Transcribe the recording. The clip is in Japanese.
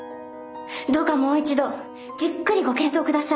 どうかもう一度じっくりご検討ください。